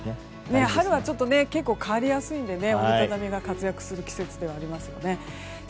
春はちょっと変わりやすいので折り畳みが活躍する季節ではありますね。